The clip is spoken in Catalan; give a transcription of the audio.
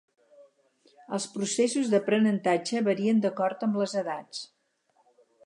Els processos d'aprenentatge varien d'acord amb les edats.